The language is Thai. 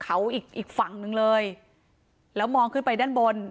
เขาอีกอีกฝั่งหนึ่งเลยแล้วมองขึ้นไปด้านบน